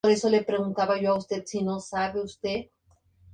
La primera aparición concreta de Lilia fue en esta película.